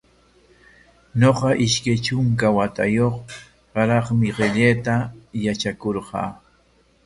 Ñuqa ishkay trunka watayuq karraqmi qillqayta yatrakurqaa.